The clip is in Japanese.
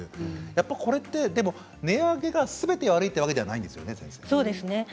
これは値上げがすべて悪いというわけではないんですよね。